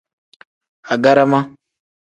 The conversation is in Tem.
Agarama.